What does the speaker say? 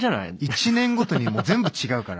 一年ごとに全部違うから。